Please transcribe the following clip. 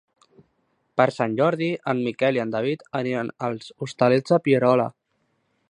Per Sant Jordi en Miquel i en David aniran als Hostalets de Pierola.